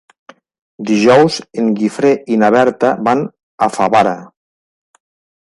Dijous en Guifré i na Berta van a Favara.